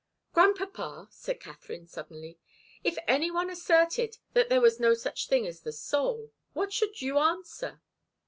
"Grandpapa," said Katharine, suddenly, "if any one asserted that there was no such a thing as the soul, what should you answer?"